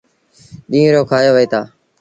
ڏيٚݩهݩ رو کآيو وهيٚتآ۔